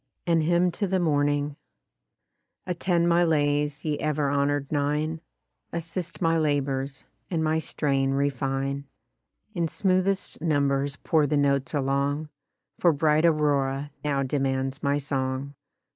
AN HYMN TO THE MORNING Attend my lays, ye ever honor'd nine; Assist my labours, and my strain refine ; In smoothest numbers pour the notes along, For bright aurora now demands my song.